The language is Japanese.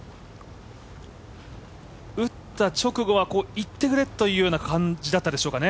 打った直後は、いってくれという感じだったでしょうかね？